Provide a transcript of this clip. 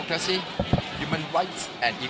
คุณคิดเรื่องนี้ได้ไหม